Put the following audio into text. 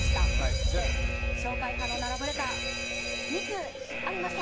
そして紹介可能なラブレター２通ありました。